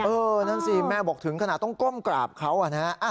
นั่นสิแม่บอกถึงขนาดต้องก้มกราบเขานะ